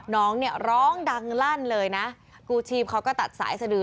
น้องเนี่ยร้องดังลั่นเลยนะกู้ชีพเขาก็ตัดสายสดือ